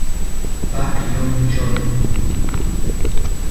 Pak Yong-chol